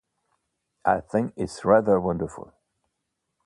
I think it's rather wonderful.